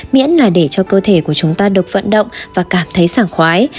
miễn là để cho cơ thể của chúng ta được vận động và cảm thấy sàng khoái